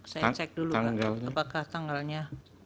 saya cek dulu apakah tanggalnya